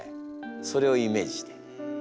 それをイメージして。